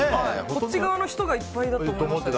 こっち側の人がいっぱいだと思ったけど。